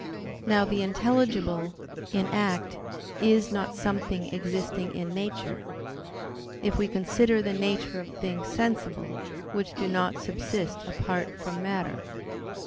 Now the intelligible in act is not something existing in nature; if we consider the nature of things sensible, which do not subsist apart from matter.